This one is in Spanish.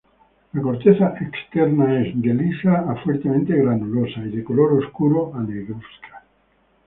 La corteza externa es lisa a fuertemente granulosa, color oscura a negruzca.